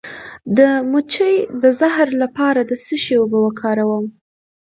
د مچۍ د زهر لپاره د څه شي اوبه وکاروم؟